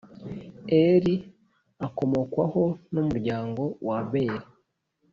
Eri akomokwaho n umuryango w Aberi